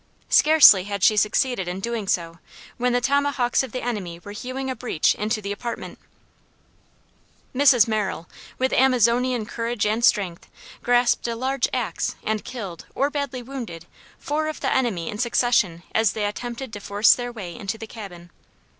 Scarcely had she succeeded in doing so when the tomahawks of the enemy were hewing a breach into the apartment. [Footnote: McClung's Sketches of Western Adventure.] Mrs. Merrill, with Amazonian courage and strength, grasped a large axe and killed, or badly wounded, four of the enemy in succession as they attempted to force their way into the cabin.